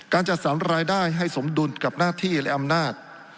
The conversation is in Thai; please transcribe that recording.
จัดสรรรายได้ให้สมดุลกับหน้าที่และอำนาจ